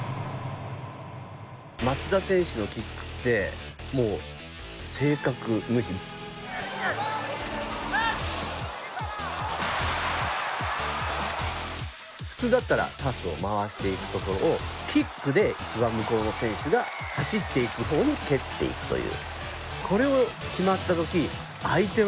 松田選手のキックってもう普通だったらパスを回していくところをキックで一番向こうの選手が走っていく方に蹴っていくという。